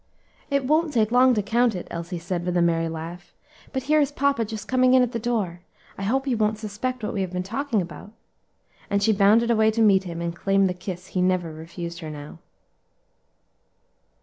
"It won't take long to count it," Elsie said with a merry laugh. "But here is papa just coming in at the door; I hope he won't suspect what we have been talking about," and she bounded away to meet him and claim the kiss he never refused her now.